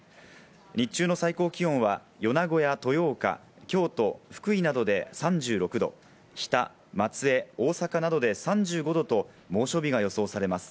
日中の最高気温は、米子や豊岡、京都、福井などで３６度、日田、松江、大阪などで３５度と猛暑日が予想されます。